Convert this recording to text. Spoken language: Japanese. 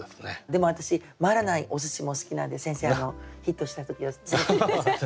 でも私回らないお寿司も好きなんで先生ヒットした時は連れてって下さい。